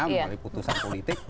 melalui putusan politik